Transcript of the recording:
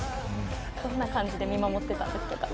どんな感じで見守ってたんですか。